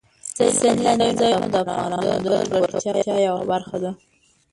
سیلاني ځایونه د افغانانو د ګټورتیا یوه برخه ده.